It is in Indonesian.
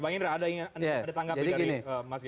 bang indra ada tanggapan dari mas gembong